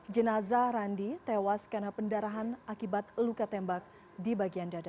jenazah randi tewas karena pendarahan akibat luka tembak di bagian dada